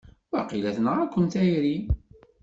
Waqila tenɣa-kem tayri!